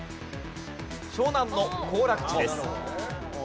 湘南の行楽地です。